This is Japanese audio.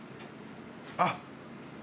あっ。